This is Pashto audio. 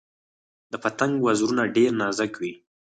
د پتنګ وزرونه ډیر نازک وي